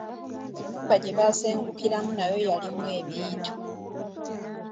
Ennyumba gye baasengukiramu nayo yalimu ebintu.